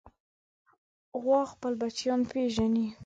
غوا خپل بچیان پېژني.